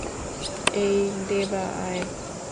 এই দেবা, আয়।